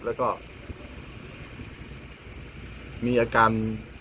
แล้วก็มีอาการ